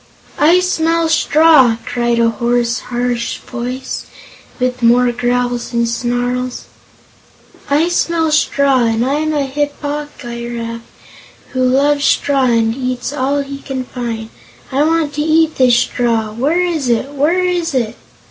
"I smell straw!" cried a hoarse, harsh voice, with more growls and snarls. "I smell straw, and I'm a Hip po gy raf who loves straw and eats all he can find. I want to eat this straw! Where is it? Where is it?"